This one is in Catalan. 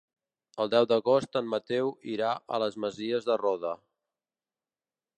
El deu d'agost en Mateu irà a les Masies de Roda.